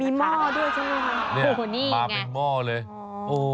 มีหม้อด้วยใช่ไหมคะโอ้โหนี่มาเป็นหม้อเลยโอ้